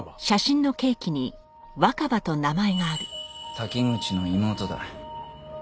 滝口の妹だ。